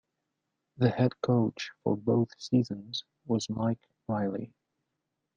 The head coach for both seasons was Mike Riley.